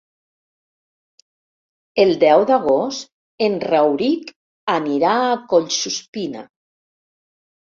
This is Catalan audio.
El deu d'agost en Rauric anirà a Collsuspina.